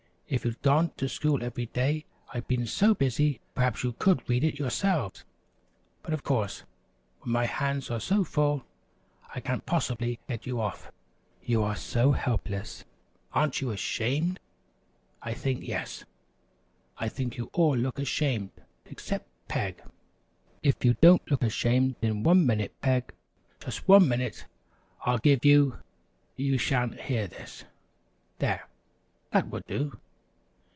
If you'd gone to school every day I've been so busy, perhaps you could read it yourselves; but, of course, when my hands are so full, I can't possibly get you off, and you are so helpless. Aren't you 'shamed? I think yes, I think you all look ashamed except Peg. If you don't look ashamed in one minute, Peg, just one minute I'll give you, you sha'n't hear this! There, that will do!